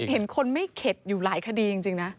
เห็นคนไม่เข็ดอยู่หลายคดีจริงนะ